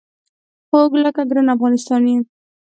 خوږ لکه ګران افغانستان یې